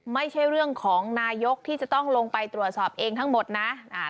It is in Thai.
ไม่ใช่เรื่องของนายกที่จะต้องลงไปตรวจสอบเองทั้งหมดนะ